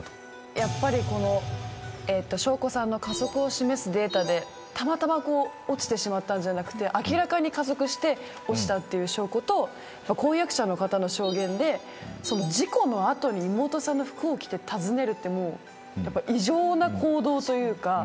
やっぱり証拠３の加速を示すデータでたまたま落ちてしまったんじゃなくて明らかに加速して落ちたって証拠と婚約者の方の証言で事故の後に妹さんの服を着て訪ねるって異常な行動というか。